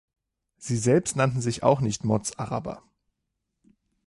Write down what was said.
Sie selbst nannten sich auch nicht „Mozaraber“.